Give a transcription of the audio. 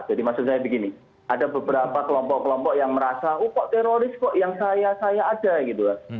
jadi maksud saya begini ada beberapa kelompok kelompok yang merasa oh kok teroris kok yang saya ada